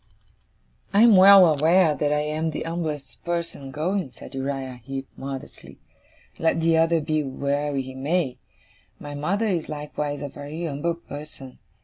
'I am well aware that I am the umblest person going,' said Uriah Heep, modestly; 'let the other be where he may. My mother is likewise a very umble person.